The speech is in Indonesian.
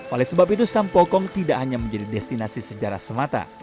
oleh sebab itu sampokong tidak hanya menjadi destinasi sejarah semata